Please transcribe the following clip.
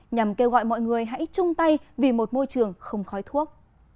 nhằm kêu gọi mọi người hãy chung tay vì một môi trường không khói thuốc